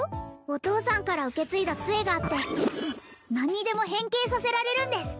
お父さんから受け継いだ杖があって何にでも変形させられるんです